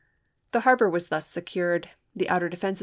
The harbor was thus secured, the outer defenses Aug.